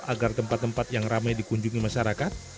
agar tempat tempat yang ramai dikunjungi masyarakat